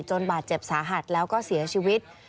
บาดเจ็บสาหัสแล้วก็เสียชีวิต